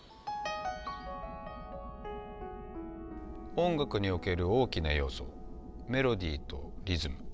音楽における大きな要素メロディーとリズム。